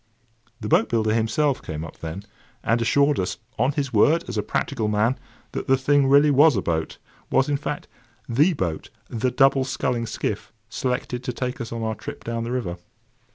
The boat builder himself came up then, and assured us, on his word, as a practical man, that the thing really was a boat—was, in fact, the boat, the "double sculling skiff" selected to take us on our trip down the river.